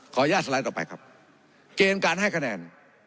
ขออนุญาตต่อไปครับเกณฑ์การให้คะแนน